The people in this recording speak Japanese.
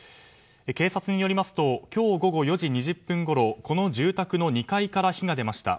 警察によりますと今日午後４時２０分ごろこの住宅の２階から火が出ました。